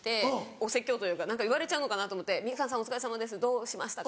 お説教というか何か言われちゃうのかなと思って「みかんさんお疲れさまですどうしましたか？」